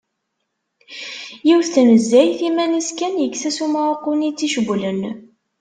Yiwet n tnezzayt iman-is kan, yekkes-as umɛuqqu-nni tt-icewlen.